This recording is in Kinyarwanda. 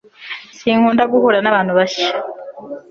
sinkunda guhura nabantu bashya